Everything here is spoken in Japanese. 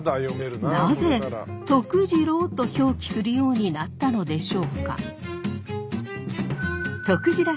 なぜ徳次郎と表記するようになったのでしょうか？